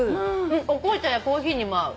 お紅茶やコーヒーにも合う。